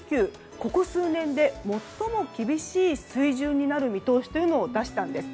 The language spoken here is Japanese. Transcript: ここ数年で最も厳しい水準になる見通しを出したんです。